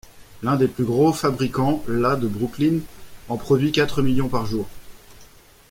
L’un des plus gros fabricants, la de Brooklyn, en produit quatre millions par jour.